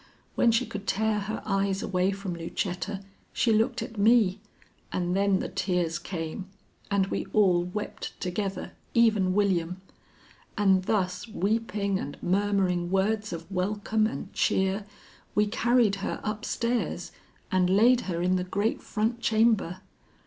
When she could tear her eyes away from Lucetta, she looked at me, and then the tears came, and we all wept together, even William; and thus weeping and murmuring words of welcome and cheer, we carried her up stairs and laid her in the great front chamber.